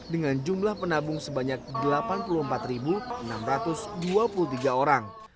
dengan jumlah penabung sebanyak delapan puluh empat enam ratus dua puluh tiga orang